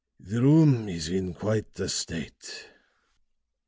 "The room is in quite a state."